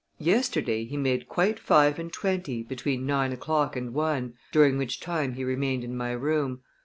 Yesterday he made quite five and twenty between nine o'clock and one, during which time he remained in my room.